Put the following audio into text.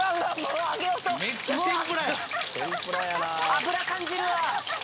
油感じるわ。